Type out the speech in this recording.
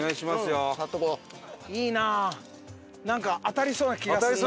なんか当たりそうな気がする！